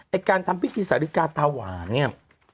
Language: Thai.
ไอ้การทำพิธีสริกาตาหวานนี่